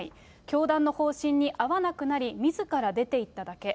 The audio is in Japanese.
教団の方針に合わなくなり、みずから出ていっただけ。